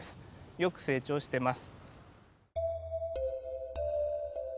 よく成長してます。